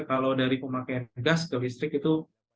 kalau dari pemakaian gas ke listrik itu